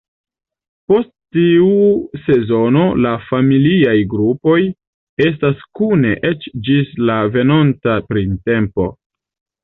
Post tiu sezono la familiaj grupoj restas kune eĉ ĝis la venonta printempo.